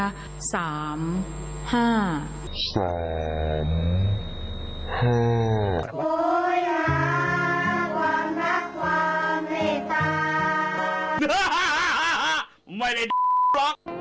อ้าหาไม่ได้ดูร้อน